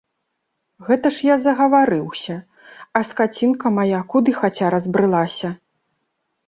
Гэта ж я загаварыўся, а скацінка мая куды хаця разбрылася.